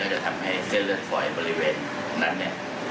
เค้าจะทำให้เสื้อเลือดโฟส์บริเวณนั้นเนี่ย